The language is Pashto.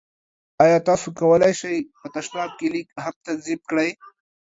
ایا تاسو کولی شئ په تشناب کې لیک هم تنظیم کړئ؟